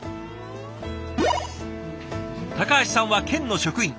高橋さんは県の職員。